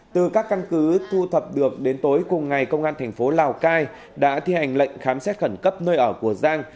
từ các căn cứ thu thập được đến tối cùng ngày công an thành phố lào cai đã thi hành lệnh khám xét khẩn cấp nơi ở của giang